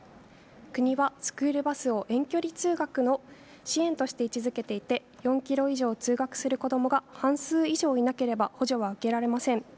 国はスクールバスを遠距離通学の支援として位置づけていて４キロ以上通学する子どもが半数以上いなければ補助が受けられません。